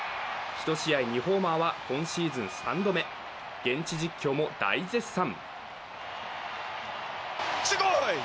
１試合２ホーマーは今シーズン３度目現地実況も大絶賛。